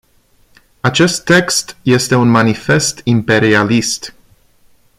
Acest text este un manifest imperialist.